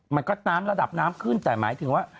มันก็น้ำระดับน้ำขึ้นแต่หมายถึงว่า